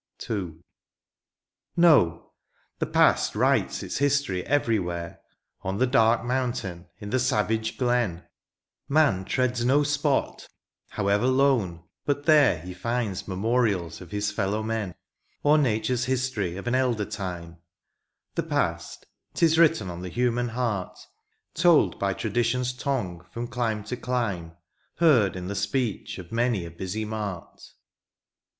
H 116 THE PAST. II. No ! the past writes its history everywhere, On the dark mountain^ in the savage glen ; Man treads no spot^ however lone^ but there He finds memorials of his fellow men^ Or nature's history of an elder time : The past — 'tis written on the human hearty Told by tradition's tongue from clime to clime. Heard in the speech of many a busy mart.